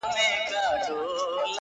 قاسم یاره چي سپېڅلی مي وجدان سي.